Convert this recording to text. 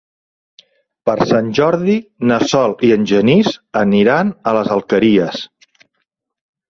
Per Sant Jordi na Sol i en Genís aniran a les Alqueries.